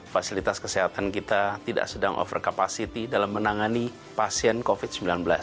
fasilitas kesehatan kita tidak sedang over capacity dalam menangani pasien covid sembilan belas